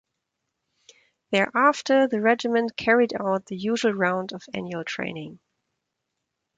Thereafter the regiment carried out the usual round of annual training.